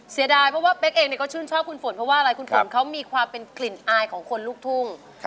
เสียดายเพราะว่าเป๊กเองก็ชื่นชอบคุณฝนเพราะว่าอะไรคุณฝนเขามีความเป็นกลิ่นอายของคนลูกทุ่ง